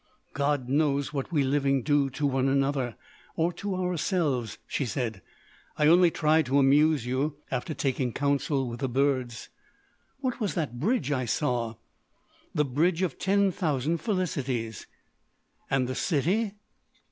"God knows what we living do to one another,—or to ourselves," she said. "I only tried to amuse you—after taking counsel with the birds." "What was that bridge I saw!" "The Bridge of Ten Thousand Felicities." "And the city?"